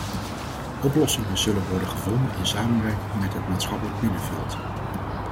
Oplossingen zullen worden gevonden in samenwerking met het maatschappelijk middenveld.